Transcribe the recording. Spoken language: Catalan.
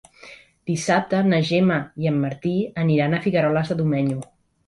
Dissabte na Gemma i en Martí aniran a Figueroles de Domenyo.